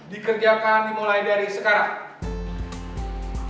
dikerjakan dimulai dari sekarang